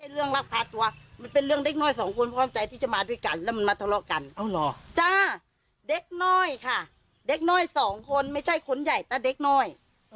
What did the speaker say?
เรื่องรักพาตัวมันเป็นเรื่องเล็กน้อยสองคนพร้อมใจที่จะมาด้วยกันแล้วมันมาทะเลาะกันจ้าเด็กน้อยค่ะเด็กน้อยสองคนไม่ใช่คนใหญ่แต่เด็กน้อย